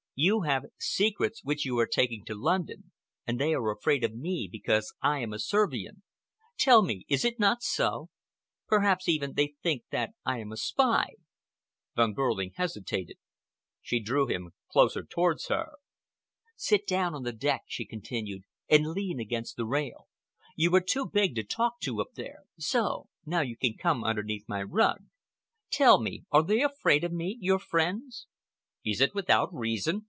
"You have secrets which you are taking to London, and they are afraid of me because I am a Servian. Tell me, is it not so? Perhaps, even, they think that I am a spy." Von Behrling hesitated. She drew him closer towards her. "Sit down on the deck," she continued, "and lean against the rail. You are too big to talk to up there. So! Now you can come underneath my rug. Tell me, are they afraid of me, your friends?" "Is it without reason?"